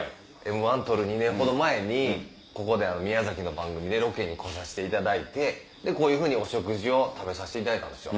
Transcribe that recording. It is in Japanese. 『Ｍ−１』取る２年ほど前に宮崎の番組でロケに来させていただいてこういうふうにお食事を食べさせていただいたんですよ。